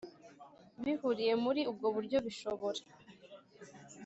Bihuriye Muri Ubwo Buryo Bishobora